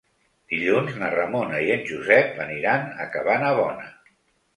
Dilluns na Ramona i en Josep aniran a Cabanabona.